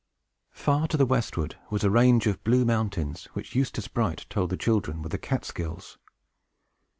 Far to the westward was a range of blue mountains, which Eustace Bright told the children were the Catskills.